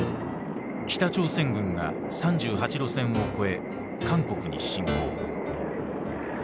北朝鮮軍が３８度線を越え韓国に侵攻。